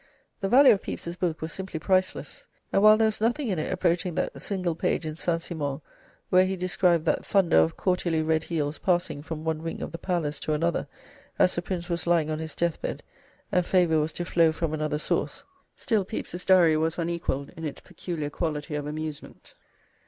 The value of Pepys's book was simply priceless, and while there was nothing in it approaching that single page in St. Simon where he described that thunder of courtierly red heels passing from one wing of the Palace to another as the Prince was lying on his death bed, and favour was to flow from another source, still Pepys's Diary was unequalled in its peculiar quality of amusement.